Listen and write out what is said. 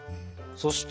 そして！